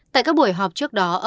tại các buổi họp trước đó